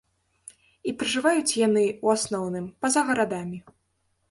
І пражываюць яны, у асноўным, па-за гарадамі.